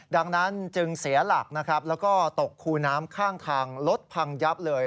ดังนั้นจึงเสียหลักแล้วก็ตกคู่น้ำข้างรถพังยับเลย